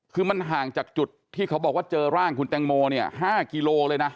คือมันห่างจากจุดที่เขาบอกว่าเจอร่างคุณแตงโมเนี่ย๕กิโลเลยนะ